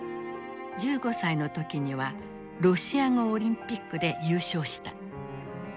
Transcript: １５歳の時にはロシア語オリンピックで優勝した。